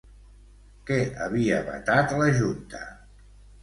Què havia vetat la Junta?